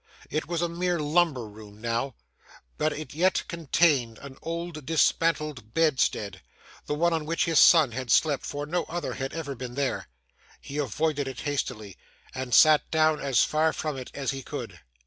It was a mere lumber room now, but it yet contained an old dismantled bedstead; the one on which his son had slept; for no other had ever been there. He avoided it hastily, and sat down as far from it as he could.